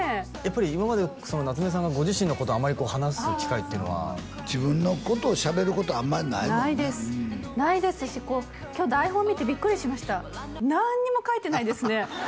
今まで夏目さんがご自身のことあんまり話す機会っていうのは自分のことしゃべることあんまりないもんねないですないですしこう今日台本見てビックリしました何にも書いてないですね